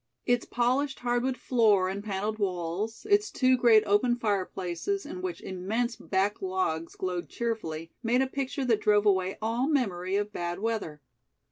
Its polished hardwood floor and paneled walls, its two great open fireplaces, in which immense back logs glowed cheerfully, made a picture that drove away all memory of bad weather.